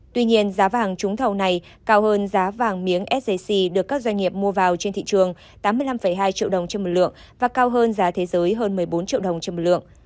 tuy nhiên giá vàng trúng thầu này cao hơn giá vàng miếng sjc được các doanh nghiệp mua vào trên thị trường tám mươi năm hai triệu đồng trên một lượng và cao hơn giá thế giới hơn một mươi bốn triệu đồng trên một lượng